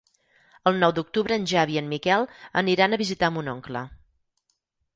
El nou d'octubre en Xavi i en Miquel aniran a visitar mon oncle.